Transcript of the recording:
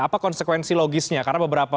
apa konsekuensi logisnya karena beberapa